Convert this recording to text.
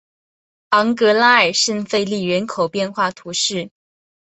昂格拉尔圣费利人口变化图示